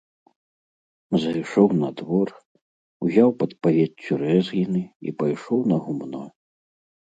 Зайшоў на двор, узяў пад павеццю рэзгіны і пайшоў на гумно.